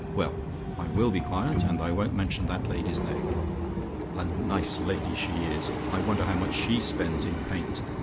Well, I will be quiet; and I won't mention that lady's name. A nice lady she is! I wonder how much she spends in paint!